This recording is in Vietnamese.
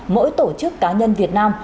mỗi tổ chức cá nhân việt nam